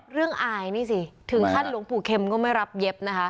เรื่องอายนี่สิถึงท่านหลวงผูกเข็มก็ไม่รับเย็บนะคะ